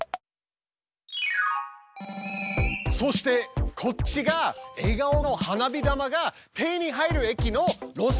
そしてこっちが笑顔の花火玉が手に入る駅の路線図です。